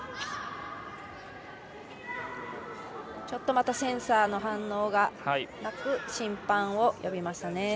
ちょっとまたセンサーの反応がなく審判を呼びましたね。